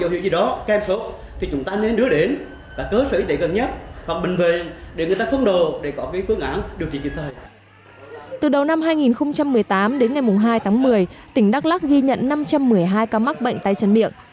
hôm hai tháng một mươi tỉnh đắk lắc ghi nhận năm trăm một mươi hai ca mắc bệnh tay chân miệng